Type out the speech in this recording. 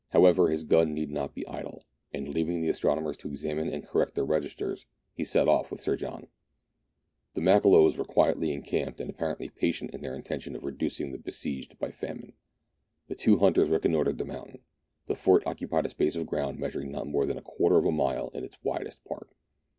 However, his gun need not be idle, and leaving the astronomers to examine and correct their registers, he set off with Sir John. The Makololos were quietly encamped, and apparently patient in their intention ofreducing the besieged by famine. The two hunters reconnoitred the mountain. The fort occupied a space of ground measuring not more than a quarter of a mile in its widest part.